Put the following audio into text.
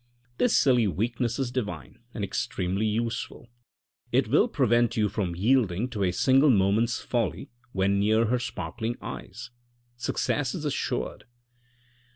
This silly weakness is divine and ex tremely useful, it will prevent you from yielding to a single moment's folly when near her sparkling eyes. Success is assured."